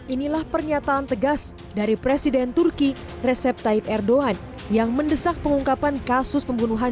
ini adalah pernyataan tegas dari presiden turki recep tayyip erdogan yang mendesak pengungkapan kasus pembunuhan